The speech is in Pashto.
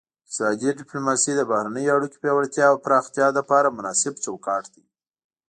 اقتصادي ډیپلوماسي د بهرنیو اړیکو پیاوړتیا او پراختیا لپاره مناسب چوکاټ دی